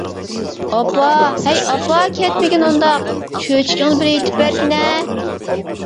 ئاپا ھەي ئاپا كەتمىگىن ئۇنداق، چۆچىكىڭنى بىر ئېيتىپ بەرگىنە!